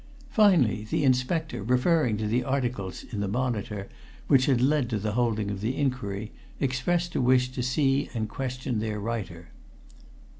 Finally, the inspector, referring to the articles in the Monitor which had led to the holding of the inquiry, expressed a wish to see and question their writer.